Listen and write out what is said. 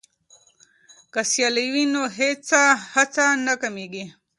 که سیالي وي نو هڅه نه کمېږي.